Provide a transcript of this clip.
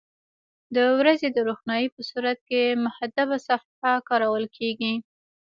د ورځې د روښنایي په صورت کې محدبه صفحه کارول کیږي.